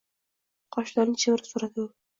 qoshlarini chimirib so`radi u